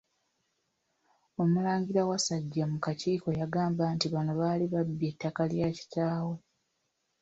Omulangira Wasajja mu kakiiko yagamba nti bano baali babbye ettaka la kitaawe.